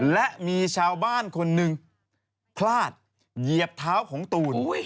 และมีชาวบ้านคนหนึ่งพลาดเหยียบเท้าของตูน